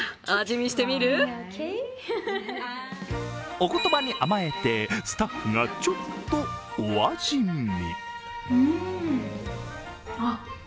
お言葉に甘えて、スタッフがちょっとお味見。